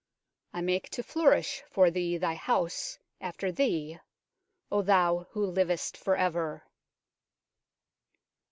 I make to flourish for thee thy house after thee, O thou who livest for ever